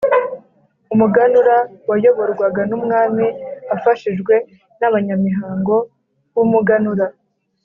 Umuganura wayoborwaga n’umwami afashijwe n’abanyamihango b’umuganura.